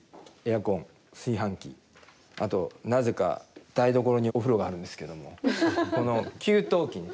あとなぜか台所にお風呂があるんですけどもこの給湯器に。